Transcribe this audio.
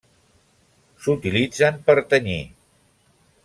S'utilitzen per tenyir.